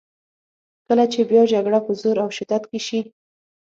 کله چې بیا جګړه په زور او شدت کې شي.